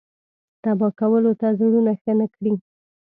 تبا کولو ته زړونه ښه نه کړي.